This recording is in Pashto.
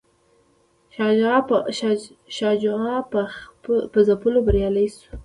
شاه شجاع په ځپلو بریالی شو.